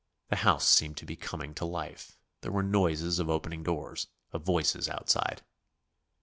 The house seemed to be coming to life; there were noises of opening doors, of voices outside.